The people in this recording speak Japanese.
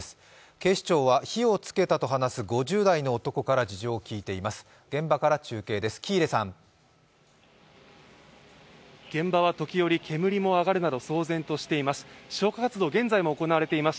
警視庁は火をつけたと話す５０代の男から話を聞いています。